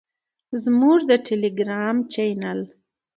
زموږ د ټیلیګرام چینل